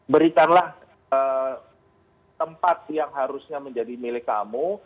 berikanlah tempat yang harusnya menjadi milik kamu